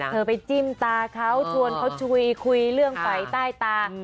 เธอไปจิ้มตาเขาชวนเขาชุยคุยเรื่องฝอยใต้ตา